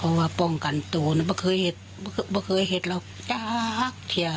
เพราะว่าป้องกันตัวนะเมื่อคือเห็นเราเยอะแบบเดี๋ยว